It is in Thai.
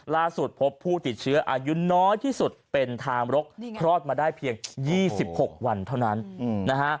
พบผู้ติดเชื้ออายุน้อยที่สุดเป็นทางรกคลอดมาได้เพียง๒๖วันเท่านั้นนะฮะ